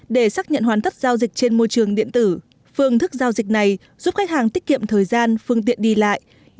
để xác nhận hoàn thất giao dịch trên môi trường điện tử phương thức giao dịch này giúp khách hàng tiết kiệm thời gian phương tiện đi lại